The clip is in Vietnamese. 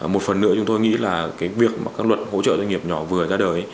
một phần nữa chúng tôi nghĩ là việc các luật hỗ trợ doanh nghiệp nhỏ và vừa